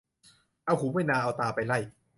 เอาหูไปนา เอาตาไปไร่